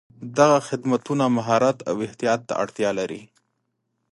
دغه خدمتونه مهارت او احتیاط ته اړتیا لري.